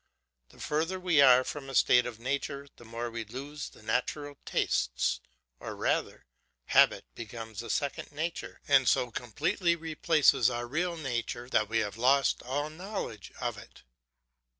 The further we are from a state of nature, the more we lose our natural tastes; or rather, habit becomes a second nature, and so completely replaces our real nature, that we have lost all knowledge of it.